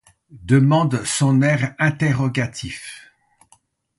demande son air interrogatif.